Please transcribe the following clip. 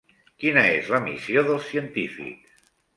Quina és la missió dels científics?